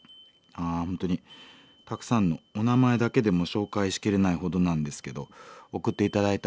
あ本当にたくさんのお名前だけでも紹介しきれないほどなんですけど送って頂いた